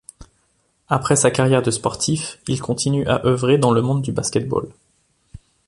Après sa carrière de sportif, il continue à œuvrer dans le monde du basket-ball.